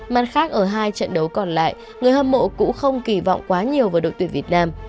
mặt khác ở hai trận đấu còn lại người hâm mộ cũng không kỳ vọng quá nhiều vào đội tuyển việt nam